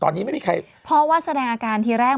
ตอนนี้ไม่มีใครเพราะว่าแสดงอาการทีแรก